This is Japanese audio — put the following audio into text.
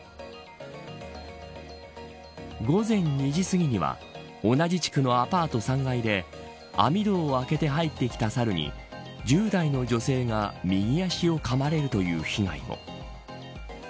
午前２時すぎには同じ地区のアパート３階で網戸を開けて入ってきたサルに１０代の女性が右足をかまれるという被害も。